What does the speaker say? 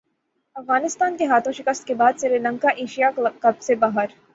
افغانستان کے ہاتھوں شکست کے بعد سری لنکا ایشیا کپ سے باہر